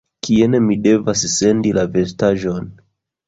Kien mi devas sendi la vestaĵon?